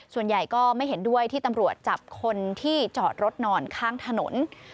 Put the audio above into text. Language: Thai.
ส่วนใหญ่ก็ไม่เห็นด้วยที่ตำรวจจับคนที่จอดรถนอนข้างถนน